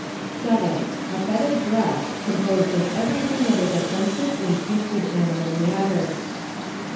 7. A fetid breath composed of every thing that is of fensive in putrid animal matter.